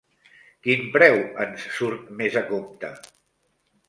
Quin preu ens surt més a compte?